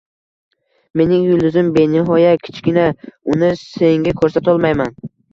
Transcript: Mening yulduzim benihoya kichkina, uni senga ko‘rsatolmayman.